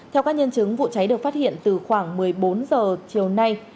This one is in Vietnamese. theo các nhân chứng vụ cháy được phát hiện từ khoảng một mươi bốn h chiều nay